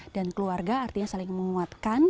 keluarga artinya saling menguatkan